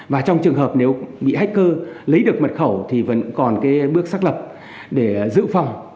và trong trường hợp nếu bị hacker lấy được mật khẩu thì vẫn còn cái bước xác lập để dự phòng